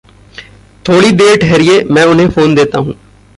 थोड़ी देर ठहरिए। मैं उन्हें फ़ोन देता हूँ।